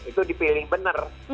itu dipilih benar